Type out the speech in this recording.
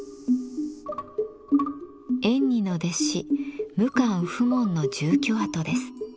円爾の弟子無関普門の住居跡です。